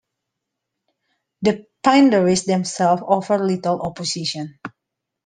The Pindaris themselves offered little opposition.